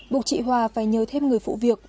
buộc chị hòa phải nhớ thêm người phụ việc